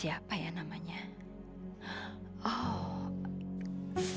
lo tuh nongkut lebihoss